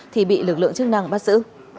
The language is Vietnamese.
thì bị lực lượng chức năng bắt giữ